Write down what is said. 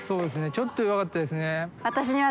ちょっと弱かったですね。